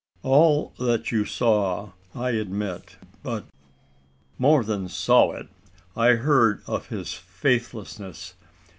"All that you saw, I admit, but " "More than saw it: I heard of his faithlessness.